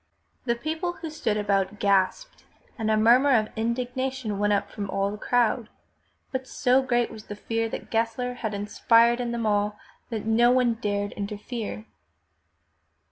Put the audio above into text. '' The people who stood about gasped, and a murmur of indigna tion went up from all the crowd, but so great was the fear that Gessler had inspired in them all that no one dared interfere.